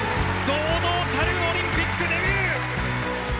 堂々たるオリンピックデビュー！